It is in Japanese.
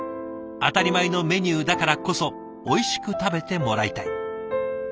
当たり前のメニューだからこそおいしく食べてもらいたい。